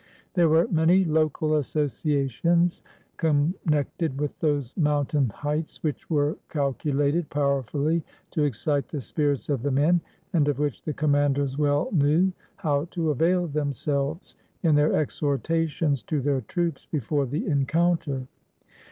There were many local associations con nected with those mountain heights which were calcu lated powerfully to excite the spirits of the men, and of which the commanders well knew how to avail them selves in their exhortations to their troops before the encounter.